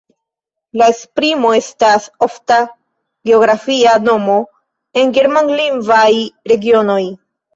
La esprimo estas ofta geografia nomo en germanlingvaj regionoj.